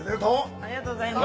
ありがとうございます。